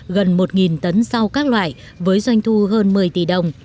gần một tấn rau các loại với doanh thu hơn một mươi tỷ đồng